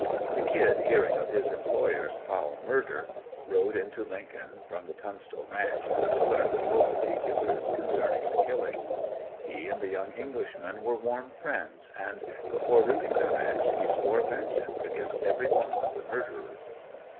The "Kid" hearing of his employer's foul murder, rode into Lincoln from the Tunstall ranch to learn the full particulars concerning the killing. He and the young Englishman were warm friends and before leaving the ranch he swore vengeance against every one of the murderers.